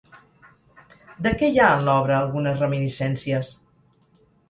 De què hi ha en l'obra algunes reminiscències?